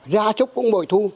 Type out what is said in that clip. gia trúc cũng bội thu